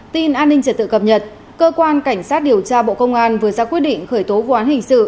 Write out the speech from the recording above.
tin an ninh trật tự cập nhật cơ quan cảnh sát điều tra bộ công an vừa ra quyết định khởi tố vụ án hình sự